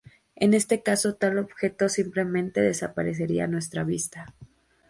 En ese caso, tal objeto simplemente desaparecería de nuestra vista.